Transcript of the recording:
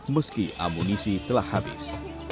meski amunisi telah habis